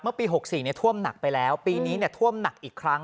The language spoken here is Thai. ปี๖๔ท่วมหนักไปแล้วปีนี้ท่วมหนักอีกครั้ง